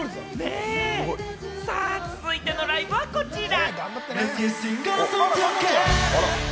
続いてのライブはこちら。